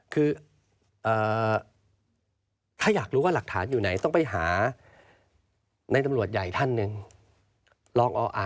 คือถ้าอยากรู้ว่าหลักฐานอยู่ไหนต้องไปหาในตำรวจใหญ่ท่านหนึ่งรองออ่า